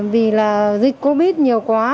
vì là dịch covid nhiều quá